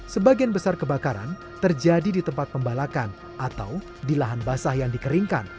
sebagian besar kebakaran terjadi di tempat pembalakan atau di lahan basah yang dikeringkan